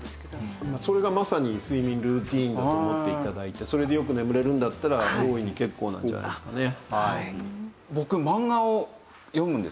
それがまさに睡眠ルーティンだと思って頂いてそれでよく眠れるんだったら大いに結構なんじゃないですかね。